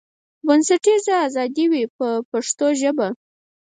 بنسټیزه ازادي وي په پښتو ژبه.